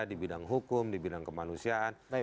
di bidang hukum di bidang kemanusiaan